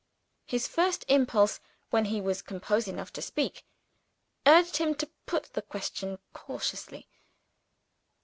His first impulse, when he was composed enough to speak, urged him to put the question cautiously.